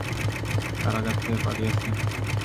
কারাগার থেকে পালিয়েছে?